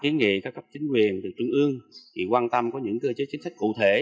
kiến nghị các cấp chính quyền từ trung ương quan tâm có những cơ chế chính sách cụ thể